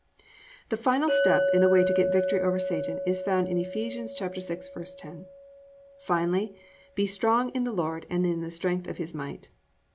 4. The final step in the way to get victory over Satan is found in Eph. 6:10: +"Finally, be strong in the Lord, and in the strength of his might."